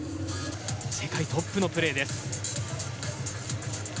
世界トップのプレーです。